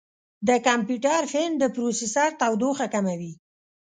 د کمپیوټر فین د پروسیسر تودوخه کموي.